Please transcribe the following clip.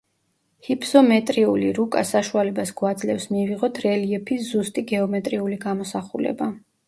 ჰიფსომეტრიული რუკა საშუალებას გვაძლევს მივიღოთ რელიეფის ზუსტი გეომეტრიული გამოსახულება.